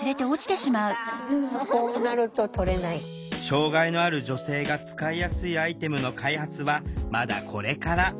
障害のある女性が使いやすいアイテムの開発はまだこれから。